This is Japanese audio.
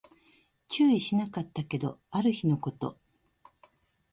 注意しなかったけど、ある日のこと